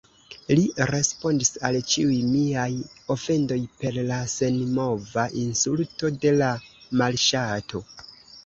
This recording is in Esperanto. Li respondis al ĉiuj miaj ofendoj per la senmova insulto de la malŝato.